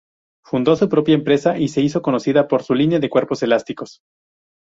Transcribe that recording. Fundó su propia empresa y se hizo conocida para su línea de cuerpos elásticos.